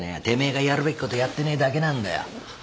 てめえがやるべきことやってねえだけなんだよ。